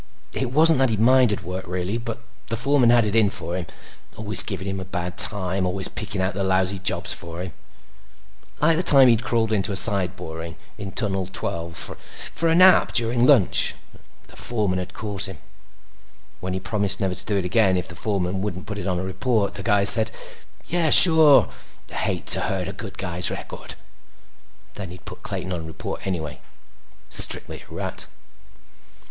It wasn't that he minded work really, but the foreman had it in for him. Always giving him a bad time; always picking out the lousy jobs for him. Like the time he'd crawled into a side boring in Tunnel 12 for a nap during lunch and the foreman had caught him. When he promised never to do it again if the foreman wouldn't put it on report, the guy said, "Yeah. Sure. Hate to hurt a guy's record." Then he'd put Clayton on report anyway. Strictly a rat.